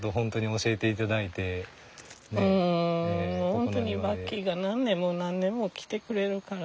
本当にバッキーが何年も何年も来てくれるから。